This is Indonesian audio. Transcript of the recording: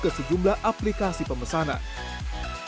ke sejumlah aplikasi pemesanan